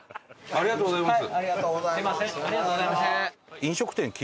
ありがとうございます。